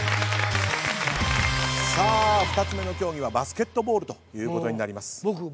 さあ２つ目の競技はバスケットボールということになります。